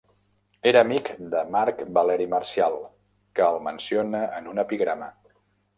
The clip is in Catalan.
Era amic de Marc Valeri Marcial, que el menciona en un epigrama.